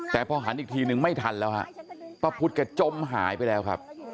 แต่พอหันอีกทีนึงไม่ทันแล้วฮะป้าพุทธแกจมหายไปแล้วครับ